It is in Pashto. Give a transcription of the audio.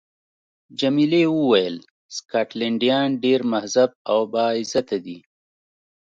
جميلې وويل: سکاټلنډیان ډېر مهذب او با عزته دي.